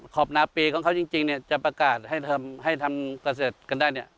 ขอบหน้าปีของเขาจริงจะประกาศให้ทำเกษตรกันได้